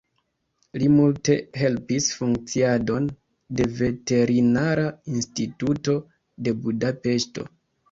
Li multe helpis funkciadon de Veterinara Instituto de Budapeŝto.